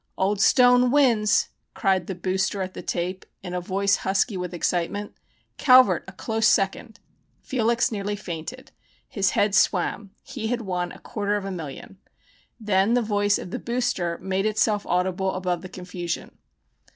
"Old Stone wins!" cried the "booster" at the tape in a voice husky with excitement. "Calvert a close second!" Felix nearly fainted. His head swam. He had won a quarter of a million. Then the voice of the "booster" made itself audible above the confusion.